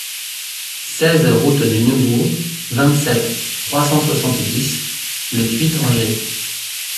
seize route du Neubourg, vingt-sept, trois cent soixante-dix, Le Thuit-Anger